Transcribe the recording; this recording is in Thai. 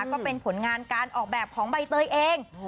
ก็เป็นผลงานการออกแบบของใบเตยเอง